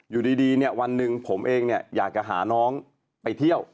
อยู่ดีวันหนึ่งผมเองอยากจะหาน้องไปเที่ยว